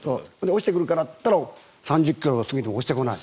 落ちてくるからといったら３０ｋｍ過ぎまで落ちてこない。